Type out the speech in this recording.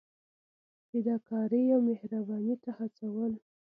فدا کارۍ او مهربانۍ ته هڅول.